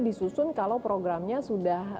disusun kalau programnya sudah